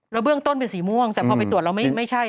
เบื้องต้นเป็นสีม่วงแต่พอไปตรวจแล้วไม่ใช่